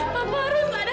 papa harus ada